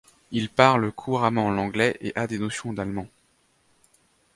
Il parle couramment l'anglais et a des notions d'allemand.